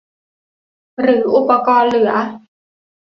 หรืออุปกรณ์เหลือ